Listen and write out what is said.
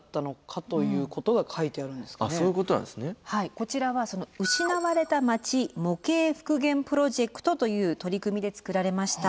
こちらは「『失われた街』模型復元プロジェクト」という取り組みで作られました。